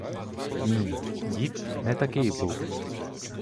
Ні, дід не такий був.